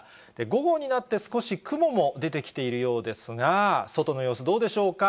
午後になって、少し雲も出てきているようですが、外の様子、どうでしょうか。